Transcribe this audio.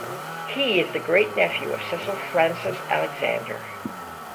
He is the great-nephew of Cecil Frances Alexander.